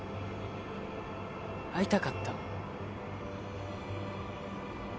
会いたかった。